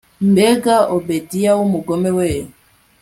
mbega obedia wumugome we